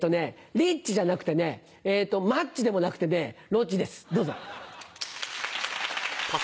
リッチじゃなくてねえっとマッチでもなくてねロッチですどうぞ。